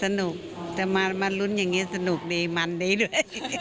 สนุกแต่มาลุ้นอย่างนี้สนุกดีมันดีด้วย